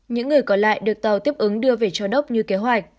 những người còn lại được tàu tiếp ứng đưa về cho đốc như kế hoạch